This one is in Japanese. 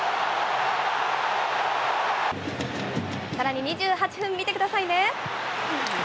さらに２８分、見てくださいね。